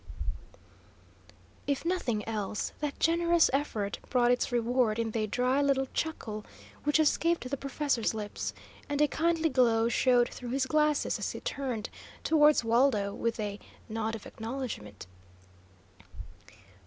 If nothing else, that generous effort brought its reward in the dry little chuckle which escaped the professor's lips, and a kindly glow showed through his glasses as he turned towards Waldo with a nod of acknowledgment.